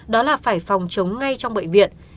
đó là phải phòng chống ngay trong bệnh viện